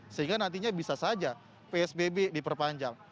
sehingga nantinya bisa saja psbb diperpanjang